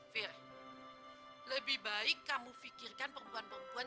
fir lebih baik kamu pikirkan perempuan perempuan